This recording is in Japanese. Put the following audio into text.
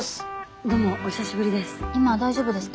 どうもお久しぶりです。